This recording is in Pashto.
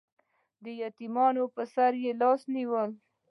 د یتیمانو په سر یې لاس ونیو